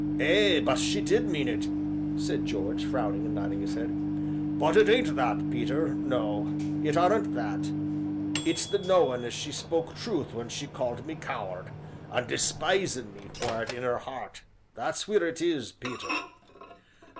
"Ay, but she did mean it," said George, frowning and nodding his head; "but it ain't that, Peter, no, it aren't that, it's the knowin' as she spoke truth when she called me 'coward,' and despisin' me for it in 'er heart, that's wheer it is, Peter."